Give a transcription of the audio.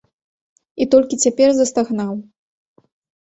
І толькі цяпер застагнаў.